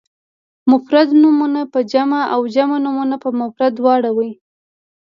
مفرد نومونه په جمع او جمع نومونه په مفرد واړوئ.